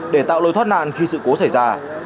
để tạo lối thoát nạn khi sự cố xảy ra